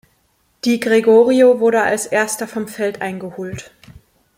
Di Gregorio wurde als Erster vom Feld eingeholt.